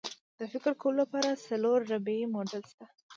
د فکر کولو لپاره څلور ربعي موډل شته.